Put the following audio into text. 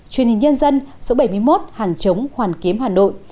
truyền hình nhân dân số bảy mươi một hàng chống hoàn kiếm hà nội